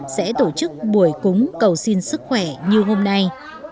sẽ tổ chức buổi cúng cầu xin sức khỏe như hôm nay